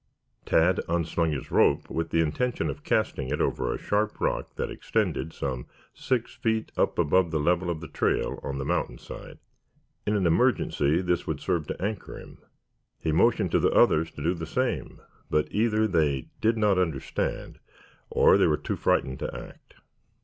Tad unslung his rope with the intention of casting it over a sharp rock that extended some six feet up above the level of the trail and on the mountainside. In an emergency it would serve to anchor him. He motioned to the others to do the same, but either they did not understand or they were too frightened to act.